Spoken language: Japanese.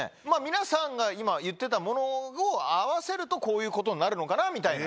皆さんが今言ってたものを合わせるとこういうことになるのかなみたいな。